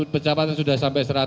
pencapaian sudah sampai seratus